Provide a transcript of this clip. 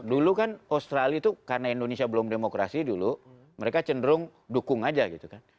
dulu kan australia itu karena indonesia belum demokrasi dulu mereka cenderung dukung aja gitu kan